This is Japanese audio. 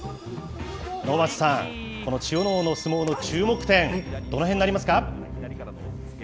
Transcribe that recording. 能町さん、この千代ノ皇の相撲の注目点、どのへんになりますか。